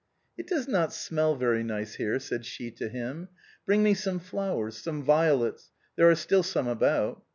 " It does not smell very nice here," said she to him, " bring me some flowers, some violets, there are still some about."